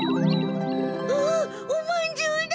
うわおまんじゅうだ！